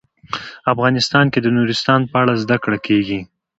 افغانستان کې د نورستان په اړه زده کړه کېږي.